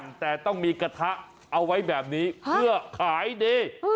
แต่ต้องมีกระทะเอาไว้แบบนี้เพื่อขายดี